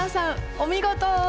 お見事！